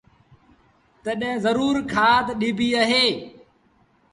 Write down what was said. تڏهيݩ زرور کآڌ ڏبيٚ اهي